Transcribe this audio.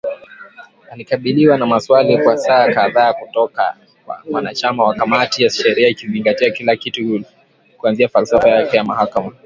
Alikabiliwa na maswali kwa saa kadhaa kutoka kwa wanachama wa kamati ya sheria ikizingatia kila kitu kuanzia falsafa yake ya mahakama